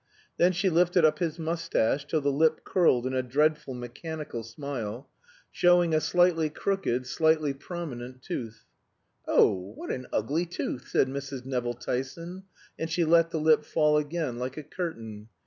Then she lifted up his mustache till the lip curled in a dreadful mechanical smile, showing a slightly crooked, slightly prominent tooth. "Oh, what an ugly tooth!" said Mrs. Nevill Tyson; and she let the lip fall again like a curtain.